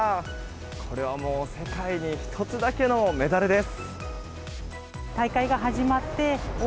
これはもう世界に一つだけのメダルです。